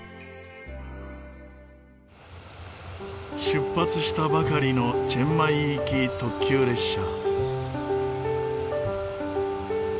出発したばかりのチェンマイ行き特急列車。